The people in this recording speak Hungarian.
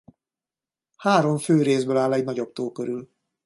Három fő részből áll egy nagyobb tó körül.